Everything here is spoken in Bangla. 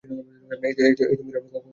এই তুমি না কখনো ভালো হবে না টিনাকে ডাকো।